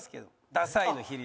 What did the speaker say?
「ダサい」の比率？